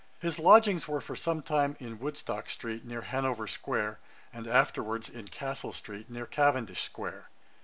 His lodgings were for some time in Woodstock street, near Hanover square, and afterwards in Castle street, near Cavendish square.